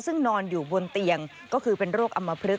ซึ่งนอนอยู่บนเตียงก็คือเป็นโรคอำมพลึก